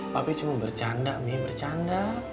papi cuma bercanda mi bercanda